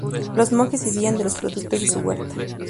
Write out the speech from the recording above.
Los monjes vivían de los productos de su huerta.